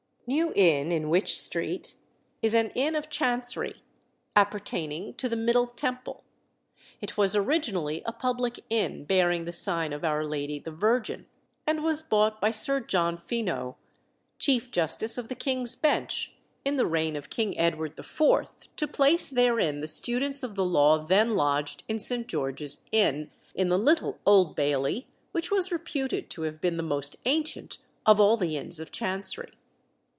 New Inn, in Wych Street, is an inn of Chancery, appertaining to the Middle Temple. It was originally a public inn, bearing the sign of Our Lady the Virgin, and was bought by Sir John Fineux, Chief Justice of the King's Bench, in the reign of King Edward IV., to place therein the students of the law then lodged in St. George's Inn, in the little Old Bailey, which was reputed to have been the most ancient of all the inns of Chancery.